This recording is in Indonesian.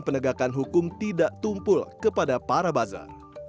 penegakan hukum tidak tumpul kepada para buzzer